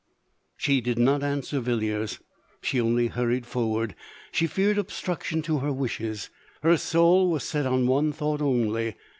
She did not answer Villiers, she onlv hurried forward ; she feared obstruction to her wishes ; her soul was set on one thought only.